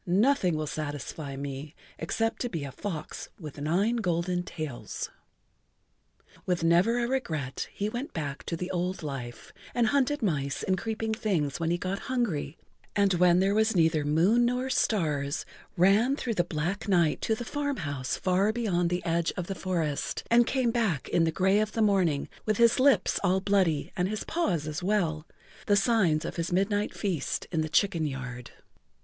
Nothing will satisfy me except to be a fox with nine golden tails." With never a regret he went back to the old life, and hunted mice and creeping things when he got hungry, and when there was neither moon nor stars, ran through the black night to the farm house far beyond the edge of the forest, and came back in the gray of the morning with his lips all bloody and his paws as well—the[Pg 44] signs of his midnight feast in the chicken yard.